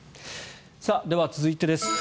では、続いてです。